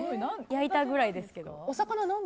焼いたぐらいですけど。